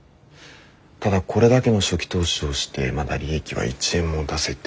ただこれだけの初期投資をしてまだ利益は１円も出せていないと。